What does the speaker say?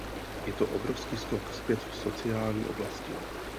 Je to obrovský skok zpět v sociální oblasti.